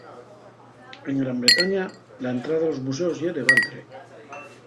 En Gran Bretaña la entrada a los museos ye de baldre.